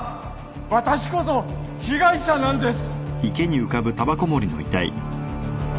私こそ被害者なんです